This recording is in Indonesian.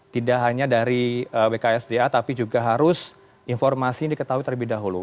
tidak hanya dari bksda tapi juga harus informasi diketahui terlebih dahulu